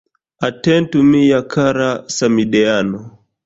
Atentu mia kara samideano.